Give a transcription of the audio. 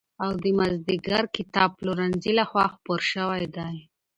او د مازدېګر کتابپلورنځي له خوا خپور شوی دی.